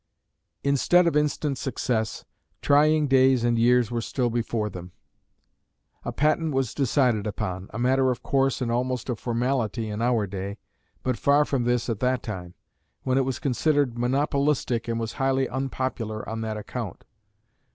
Instead of instant success, trying days and years were still before them. A patent was decided upon, a matter of course and almost of formality in our day, but far from this at that time, when it was considered monopolistic and was highly unpopular on that account.